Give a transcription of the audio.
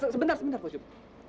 sebentar pak ucup